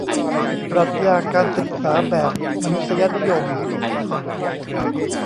ปรัชญาการศึกษาแบบมนุษยนิยม